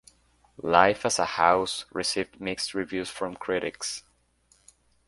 "Life as a House" received mixed reviews from critics.